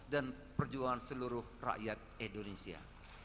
dan perjuangan seluruh rakyat indonesia